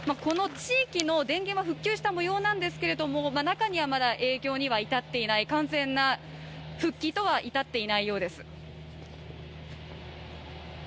この地域の電源が復旧した模様なんですけれども中にはまだ営業には至っていない完全な復帰とは至っていないようです。